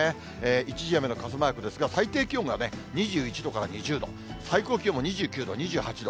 一時雨の傘マークですが、最低気温がね、２１度から２０度、最高気温も２９度、２８度。